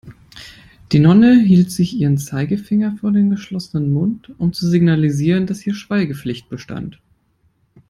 Die Nonne hielt sich ihren Zeigefinger vor den geschlossenen Mund, um zu signalisieren, dass hier Schweigepflicht bestand.